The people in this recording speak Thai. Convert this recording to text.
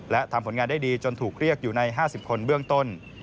และทำผลงานได้ดีจนถูกเรียกอยู่ใน๕๐คนเบื้องต้น